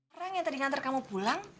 orang yang tadi ngantar kamu pulang